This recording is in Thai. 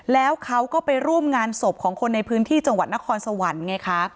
แล้วเขาก็ไปร่วมงานศพของคนในพื้นที่จังหวัดนครสวรรค์ไงคะ